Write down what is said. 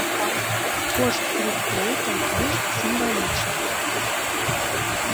Кошт квіткоў такі ж сімвалічны.